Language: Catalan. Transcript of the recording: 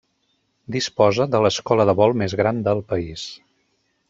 Disposa de l'escola de vol més gran del país.